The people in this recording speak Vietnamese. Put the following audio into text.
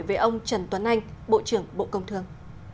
với ông trần tuấn anh bộ trưởng bộ công thương